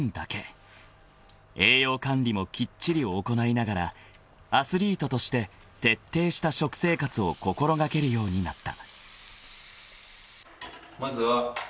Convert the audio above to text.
［栄養管理もきっちり行いながらアスリートとして徹底した食生活を心掛けるようになった］